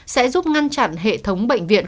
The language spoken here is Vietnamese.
sẽ giúp ngăn chặn hệ thống bệnh viện